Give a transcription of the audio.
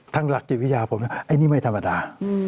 ทั้งหลักกิวิยาวผมไอ้นี่ไม่ธรรมดา